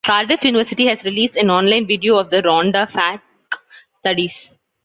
Cardiff University has released an online video of the Rhondda Fach studies.